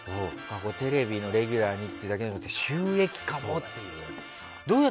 テレビのレギュラーにだけじゃなく収益化もっていう。